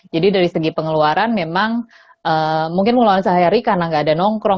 jadi dari segi pengeluaran memang mungkin mengeluarkan sahaya rika karena nggak ada nongkrong